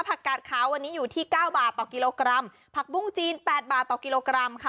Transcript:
กาดขาววันนี้อยู่ที่เก้าบาทต่อกิโลกรัมผักบุ้งจีนแปดบาทต่อกิโลกรัมค่ะ